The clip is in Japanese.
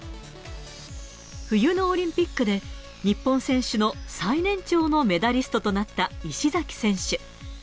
冬のオリンピックで日本選手の最年長のメダリストとなった石崎選手。